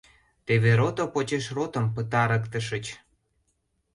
Теве рото почеш ротым пытарыктышыч...